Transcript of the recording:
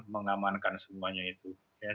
mengamankan semuanya itu